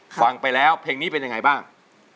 ฟังไปแล้วเพลงนี้เป็นยังไงบ้าง